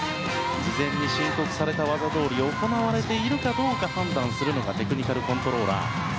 事前に申告した技どおり行われているか判断するのがテクニカルコントローラー。